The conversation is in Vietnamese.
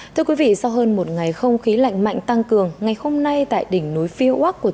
thưa quý vị sau hơn một ngày không khí lạnh mạnh tăng cường ngày hôm nay tại đỉnh núi phiêu quắc